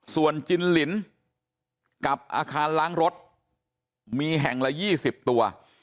ส่วนจินลินกับอาคารล้างรถมีแห่งละ๒๐ตัว